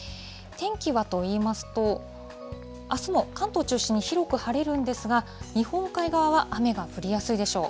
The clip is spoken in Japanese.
天気はといいますと、あすも関東を中心に広く晴れるんですが、日本海側は雨が降りやすいでしょう。